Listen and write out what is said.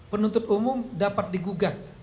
penuntut umum dapat digugat